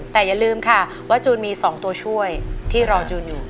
แต่อย่าลืมค่ะว่าจูนมี๒ตัวช่วยที่รอจูนอยู่